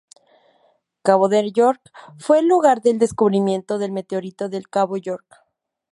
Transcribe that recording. Cabo de York fue el lugar del descubrimiento del meteorito del Cabo York.